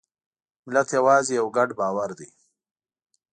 ملت یوازې یو ګډ باور دی.